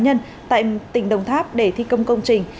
nguyễn duy tân đã đến tỉnh đồng tháp để thi công công trình